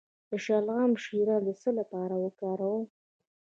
د شلغم شیره د څه لپاره وکاروم؟